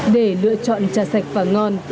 để lựa chọn trà sạch và ngon